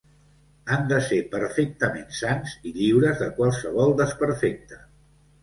Han de ser perfectament sans i lliures de qualsevol desperfecte.